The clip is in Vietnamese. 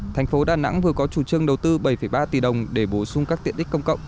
thành phố đà nẵng vừa có chủ trương đầu tư bảy ba tỷ đồng để bổ sung các tiện ích công cộng